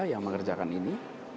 yang mengerjakan ini